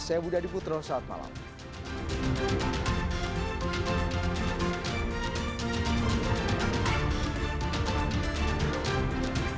saya budha diputro selamat malam